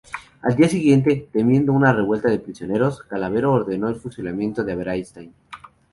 Al día siguiente, temiendo una revuelta de prisioneros, Clavero ordenó el fusilamiento de Aberastain.